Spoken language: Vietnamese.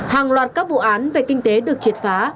hàng loạt các vụ án về kinh tế được triệt phá